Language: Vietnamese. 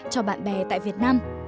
cho bạn bè tại việt nam